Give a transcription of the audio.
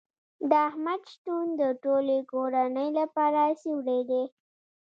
د احمد شتون د ټولې کورنۍ لپاره سیوری دی.